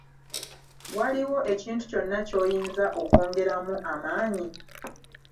Waliwo ekintu kyonna ky’oyinza okwongeramu amaanyi?